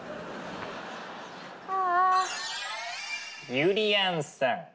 ゆりやんさん。